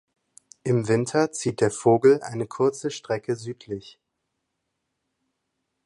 Im Winter zieht der Vogel eine kurze Strecke südlich.